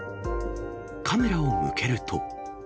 カメラを向けると。